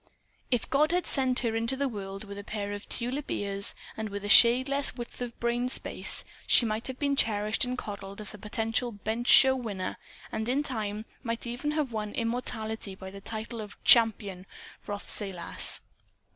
If God had sent her into the world with a pair of tulip ears and with a shade less width of brain space she might have been cherished and coddled as a potential bench show winner, and in time might even have won immortality by the title of "CHAMPION Rothsay Lass."